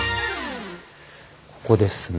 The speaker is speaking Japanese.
ここですね。